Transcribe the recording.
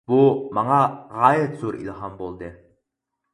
بۇ ماڭا غايەت زور ئىلھام بولدى.